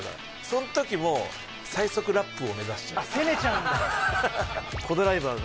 その時も最速ラップを目指しちゃう。